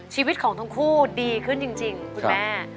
ชีวิตของทั้งคู่ดีขึ้นจริงคุณแม่